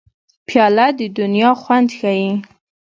پیاله د دنیا خوند ښيي.